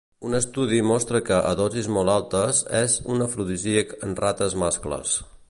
Un estudi mostra que, a dosis molt altes, és un afrodisíac en rates mascles.